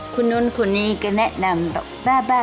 คุณนุ่นคุณนี้ก็แนะนำบ้า